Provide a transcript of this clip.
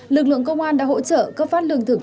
lực lượng công an đã hỗ trợ cấp phát lương thực